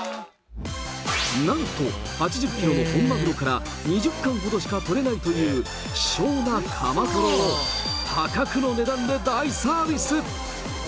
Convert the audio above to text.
なんと８０キロの本マグロから、２０貫ほどしか取れないという希少なカマトロを、破格の値段で大サービス。